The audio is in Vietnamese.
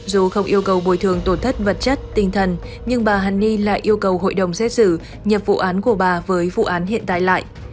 dù không yêu cầu bồi thường tổn thất vật chất tinh thần nhưng bà hàn ni lại yêu cầu hội đồng xét xử nhập vụ án của bà với vụ án hiện tại lại